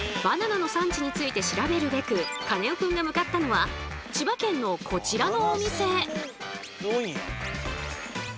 バナナの産地について調べるべくカネオくんが向かったのは千葉県のこちらのお店。